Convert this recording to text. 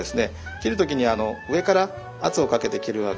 切る時に上から圧をかけて切るわけなんですね。